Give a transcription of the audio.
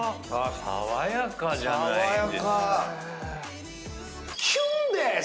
爽やかじゃないですか。